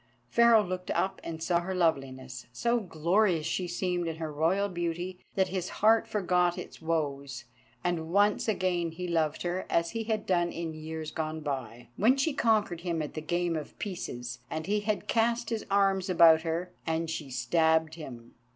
Pharaoh looked up and saw her loveliness. So glorious she seemed in her royal beauty that his heart forgot its woes, and once again he loved her as he had done in years gone by, when she conquered him at the Game of Pieces, and he had cast his arms about her and she stabbed him.